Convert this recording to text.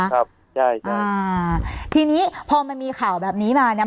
ครับใช่จ้ะอ่าทีนี้พอมันมีข่าวแบบนี้มาเนี้ย